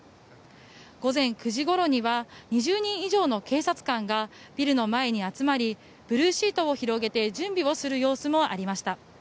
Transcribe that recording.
午前９時ごろには２０人以上の警察官がビルの前に集まりブルーシートを広げて準備をする様子もありました。